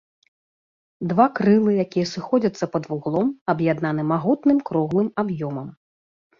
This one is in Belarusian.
Два крылы, якія сыходзяцца пад вуглом, аб'яднаны магутным круглым аб'ёмам.